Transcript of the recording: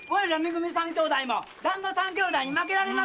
組三兄弟もだんご三兄弟に負けられないね。